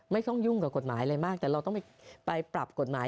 ไม่ต้องยุ่งกับกฎหมายเลยมากแต่เราต้องไปปรับกฎหมาย